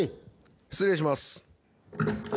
・失礼します。